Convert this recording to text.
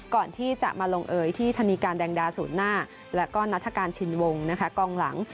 ก่อนที่จะมาลงเอยที่ธนีการแดงดาศูนย์หน้าและก็นัฐกาลชินวงนะคะกองหลัง